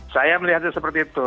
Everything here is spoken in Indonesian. saya melihatnya seperti itu